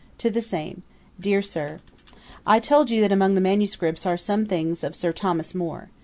To THE SAME. 'DEAR SIR, 'I told you, that among the manuscripts are some things of Sir Thomas More.